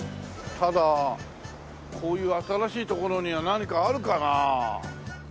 ただこういう新しいところには何かあるかな？